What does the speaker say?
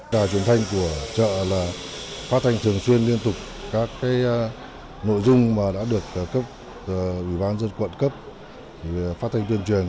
trà truyền thanh của chợ là phát thanh thường xuyên liên tục các nội dung mà đã được cấp bởi bán dân quận cấp phát thanh tuyên truyền